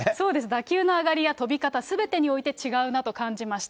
打球の上りや飛び方、すべてにおいて違うなと感じました。